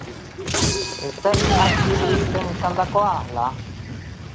Ez zain aski iruditzen esandakoa ala?